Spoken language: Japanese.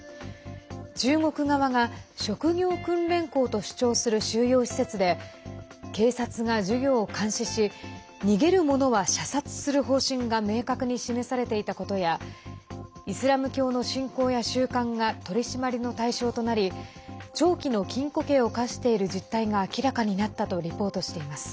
中国側が職業訓練校と主張する収容施設で警察が授業を監視し逃げる者は射殺する方針が明確に示されていたことやイスラム教の信仰や習慣が取り締まりの対象となり長期の禁錮刑を科している実態が明らかになったとリポートしています。